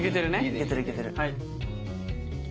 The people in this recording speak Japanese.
いけてるいけてる。